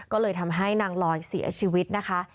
ก็เลยทำให้นางลอยเสียชีวิตนะคะ